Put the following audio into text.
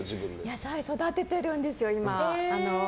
野菜育ててるんです、今。